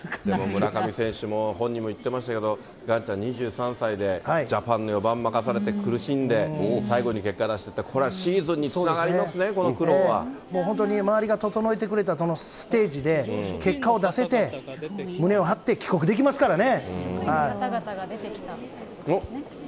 村上選手も言ってましたけど、岩ちゃん、２３歳でジャパンの４番任されて、苦しんで、最後に結果出してって、これはシーズンにつながりますね、本当に、周りが整えてくれたステージで結果を出せて、胸を張って帰国できますからね。